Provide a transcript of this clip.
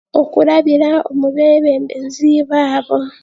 Okurabira omuu beembezi baabo